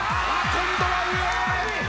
今度は上！